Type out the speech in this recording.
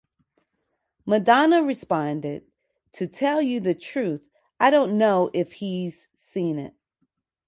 Madonna responded, To tell you the truth, I don't know if he's seen it.